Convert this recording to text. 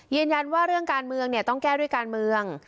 ยืนยันว่าเรื่องการเมืองต้องแก้ด้วยการเมือง